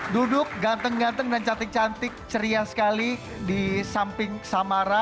duduk ganteng ganteng dan cantik cantik ceria sekali di samping samara